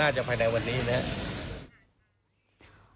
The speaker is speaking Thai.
จะภายในวันนี้นะครับ